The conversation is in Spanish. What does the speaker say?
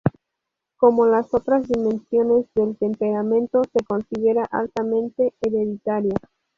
Como las otras dimensiones del temperamento, se considera altamente hereditaria.